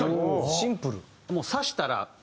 シンプル。